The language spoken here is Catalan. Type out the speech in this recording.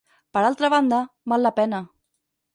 Per altra banda, val la pena.